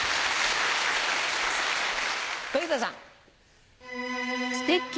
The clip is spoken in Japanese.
小遊三さん。